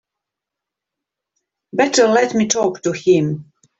Better let me talk to him.